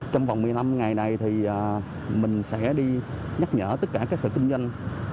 trong vòng một mươi năm ngày này thì mình sẽ đi nhắc nhở tất cả các sở kinh doanh